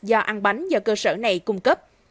do ăn bánh do cơ sở này cung cấp